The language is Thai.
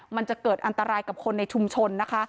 มันจะเกิดอันตรายกับคนในชุมชนนะคะ